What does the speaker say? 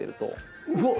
・うわっ！